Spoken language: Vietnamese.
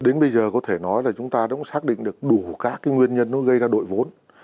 đến bây giờ có thể nói là chúng ta đã xác định được đủ các cái nguyên nhân nó gây ra đội vốn